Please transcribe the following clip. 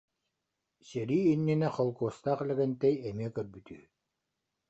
Сэрии иннинэ Холкуостаах Лэгэнтэй эмиэ көрбүт үһү